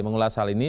mengulas hal ini